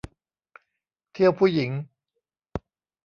เที่ยวผู้หญิง